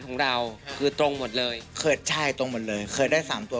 ของเราคือตรงหมดเลยเคยใช่ตรงหมดเลยเคยได้สามตัว